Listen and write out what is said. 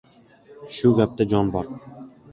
— Shu gapda jon bor.